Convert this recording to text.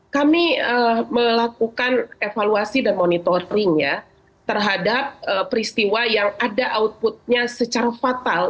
kami melakukan evaluasi dan monitoringnya terhadap peristiwa yang ada outputnya secara fatal